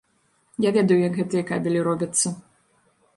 Я ведаю, як гэтыя кабелі робяцца.